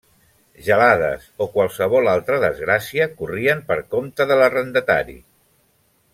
Gelades o qualsevol altra desgràcia corrien per compte de l'arrendatari.